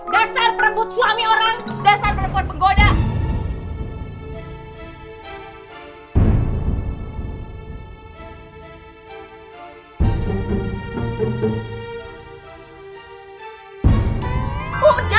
dasar perempuan suami orang dasar perempuan penggoda